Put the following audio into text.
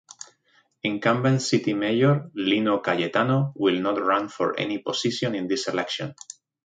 Incumbent city mayor Lino Cayetano will not run for any position in this election.